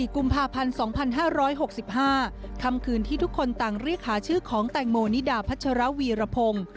กุมภาพันธ์๒๕๖๕คำคืนที่ทุกคนต่างเรียกหาชื่อของแตงโมนิดาพัชรวีรพงศ์